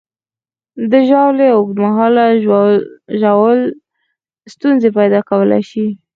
د ژاولې اوږد مهاله ژوول ستونزې پیدا کولی شي.